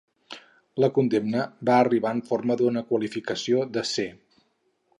La condemna va arribar en forma d'una qualificació de "C".